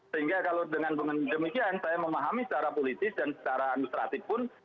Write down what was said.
sehingga kalau dengan demikian saya memahami secara politis dan secara administratif pun